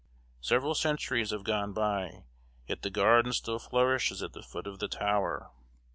Several centuries have gone by, yet the garden still flourishes at the foot of the tower.